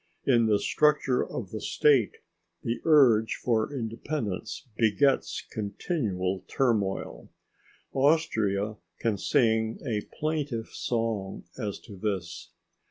In the structure of the State the urge for independence begets continual turmoil. Austria can sing a plaintive song as to this.